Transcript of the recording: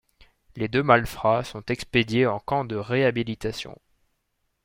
Les deux malfrats sont expédiés en camp de réhabilitation.